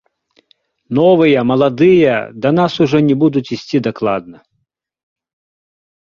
Новыя, маладыя, да нас ужо не будуць ісці дакладна.